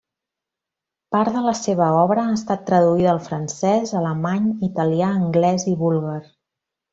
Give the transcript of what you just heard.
Part de la seva obra ha estat traduïda al francès, alemany, italià, anglès i búlgar.